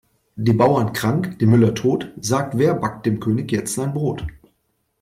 Die Bauern krank, die Müller tot, sagt wer backt dem König jetzt sein Brot?